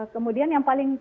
kemudian yang paling